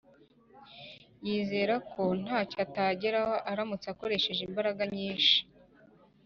Yizereako ntacyo utageraho uramutse ukoresheje imbaraga nyinshi